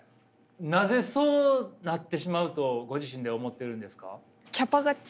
なぜそうなってしまうとご自身で思ってるんですか？